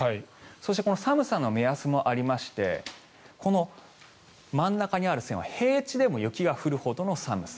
そして、寒さの目安もありましてこの真ん中にある線は平地でも雪が降るほどの寒さ。